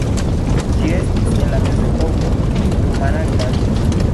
Ĝi estis en la mezepoko rumana vilaĝo.